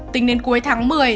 tính đến cuối tháng một mươi